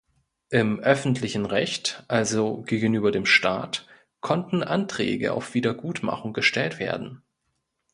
Im öffentlichen Recht, also gegenüber dem Staat, konnten Anträge auf Wiedergutmachung gestellt werden.